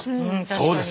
そうです！